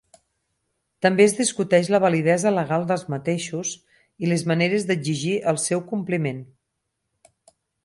També es discuteix la validesa legal dels mateixos i les maneres d'exigir el seu compliment.